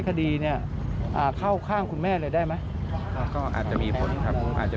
คดีเนี่ยอ่าเข้าข้างคุณแม่เลยได้ไหมก็อาจจะมีผลครับอาจจะ